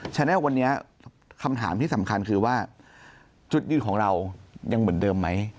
ฉะนั้นวันนี้คำถามที่สำคัญคือว่าจุดยืนของเรายังเหมือนเดิมไหม